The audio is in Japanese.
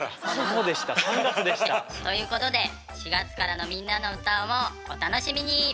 ということで４月からの「みんなのうた」もお楽しみに！